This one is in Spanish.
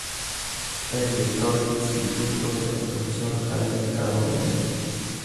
El director del instituto es el profesor Jaime Carbonell.